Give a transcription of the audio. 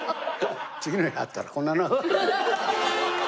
次の日会ったらこんな長く。